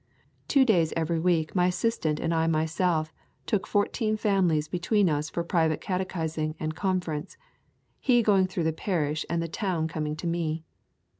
Two days every week my assistant and I myself took fourteen families between us for private catechising and conference; he going through the parish, and the town coming to me.